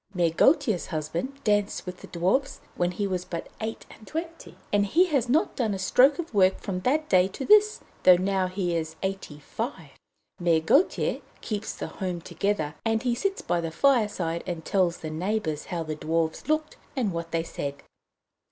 Mère Gautier's husband danced with the Dwarfs when he was but eight and twenty, and he has not done a stroke of work from that day to this, though now he is eighty five. Mère Gautier keeps the home together, and he sits by the fireside and tells the neighbours how the Dwarfs looked and what they said.